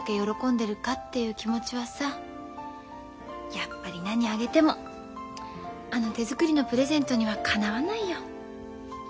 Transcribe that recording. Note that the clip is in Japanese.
やっぱり何あげてもあの手作りのプレゼントにはかなわないよ。